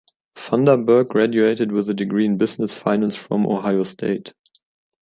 Funderburke graduated with a degree in business finance from Ohio State.